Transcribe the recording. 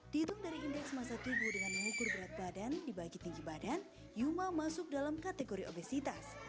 dihitung dari indeks masa tubuh dengan mengukur berat badan dibagi tinggi badan yuma masuk dalam kategori obesitas